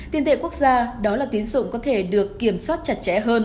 tiền tệ quốc gia đó là tín dụng có thể được kiểm soát chặt chẽ hơn